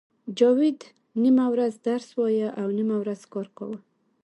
جاوید نیمه ورځ درس وایه او نیمه ورځ کار کاوه